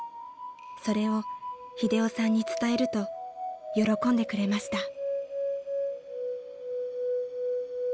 ［それを英雄さんに伝えると喜んでくれました］